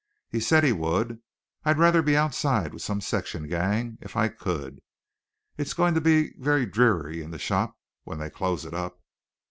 He said he would. I'd rather be outside with some section gang if I could. It's going to be very dreary in the shop when they close it up."